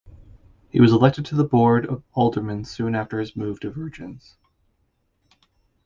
He was elected to the board of aldermen soon after his move to Vergennes.